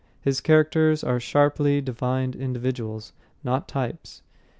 His characters are sharply defined individuals, not types.